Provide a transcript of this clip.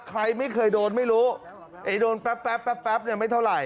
ใครไม่เคยโดนไม่รู้โดนแป๊บไม่เท่าไหร่